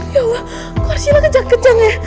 ya allah kok arshila kencang kencang ya